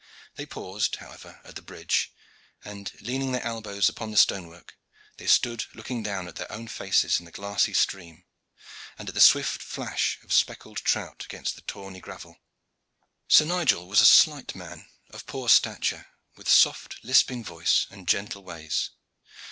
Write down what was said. They paused, however, at the bridge, and, leaning their elbows upon the stonework, they stood looking down at their own faces in the glassy stream, and at the swift flash of speckled trout against the tawny gravel. Sir Nigel was a slight man of poor stature, with soft lisping voice and gentle ways.